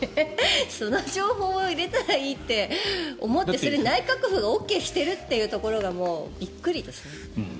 その情報を入れたらいいってそれって内閣府がＯＫしてるというところがびっくりですね。